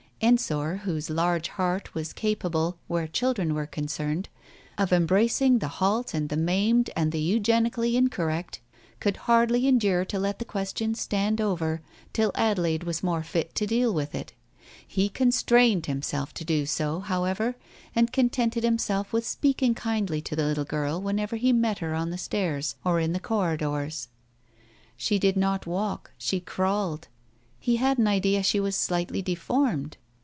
Ensor, whose large heart was capable, where children were concerned, of embracing the halt and the maimed and the eugenically incorrect, could hardly endure to let the question stand over till Adelaide was more fit to deal with it. He constrained himself to do so, how ever, and contented himself with speaking kindly to the little girl whenever he met her on the stairs or in the corridors. She did not walk, she crawled; he had an idea she was slightly deformed?